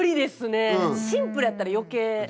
シンプルやったら余計。